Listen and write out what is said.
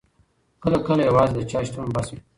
کله کله یوازې د چا شتون بس وي.